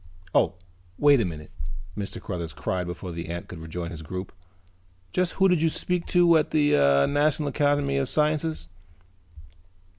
"Oh, wait a minute," Mr. Cruthers cried before the ant could rejoin his group. "Just who did you speak to at the National Academy of Sciences?"